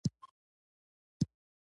احسان بخت افغانستان ته تښتېدلی دی.